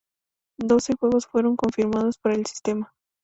Doce juegos fueron confirmados para el sistema.